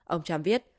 ông trump viết